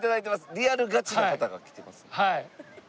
リアルガチな方が来てます。